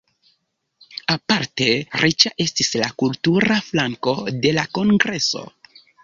Aparte riĉa estis la kultura flanko de la kongreso.